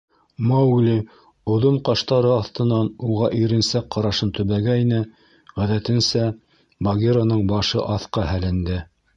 Маугли оҙон ҡаштары аҫтынан уға иренсәк ҡарашын төбәгәйне, ғәҙәтенсә, Багираның башы аҫҡа һәленде.